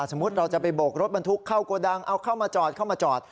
สมมุติเราจะไปโบกรถบรรทุกเข้าโกดังเอาเข้ามาจอดเข้ามาจอด